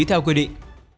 theo quy định